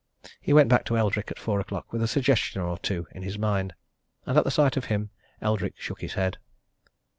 He went back to Eldrick at four o'clock with a suggestion or two in his mind. And at the sight of him Eldrick shook his head.